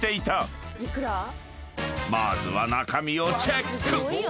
［まずは中身をチェック］